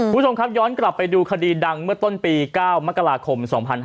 คุณผู้ชมครับย้อนกลับไปดูคดีดังเมื่อต้นปี๙มกราคม๒๕๕๙